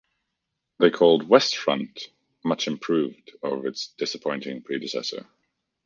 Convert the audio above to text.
They called "West Front" "much improved" over its "disappointing" predecessor.